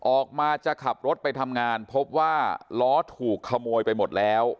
ออกมาจะขับรถไปทำงานพบว่าล้อถูกขโมยไปหมดแล้ว